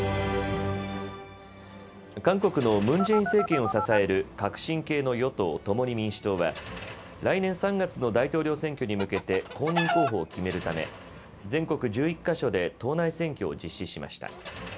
韓国のムン・ジェイン政権を支える革新系の与党共に民主党は来年３月の大統領選挙に向けて公認候補を決めるため全国１１か所で党内選挙を実施しました。